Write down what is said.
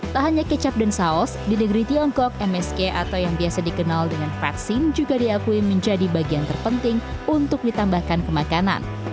tak hanya kecap dan saus di negeri tiongkok msg atau yang biasa dikenal dengan vaksin juga diakui menjadi bagian terpenting untuk ditambahkan ke makanan